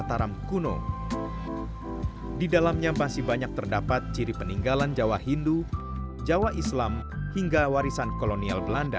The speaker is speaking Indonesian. sampai jumpa di video selanjutnya